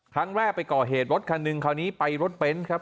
ครั้งแรกไปก่อเหตุรถคันหนึ่งคราวนี้ไปรถเบนท์ครับ